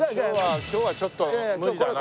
今日はちょっと無理だな。